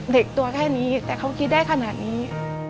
เด็กตัวแค่นี้แต่เขาคิดได้ขนาดนี้